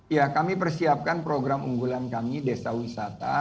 ya kami persiapkan program unggulan kami desa wisata